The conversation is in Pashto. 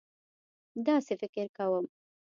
داسې فکر کوم.